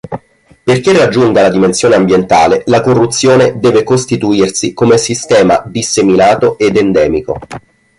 Perché raggiunga la dimensione ambientale, la corruzione deve costituirsi come sistema disseminato ed endemico.